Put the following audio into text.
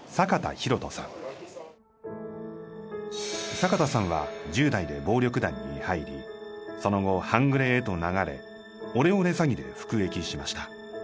坂田さんは１０代で暴力団に入りその後半グレへと流れオレオレ詐欺で服役しました。